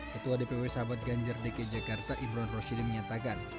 ketua dpw sahabat ganjar dg jakarta ibran roshili menyatakan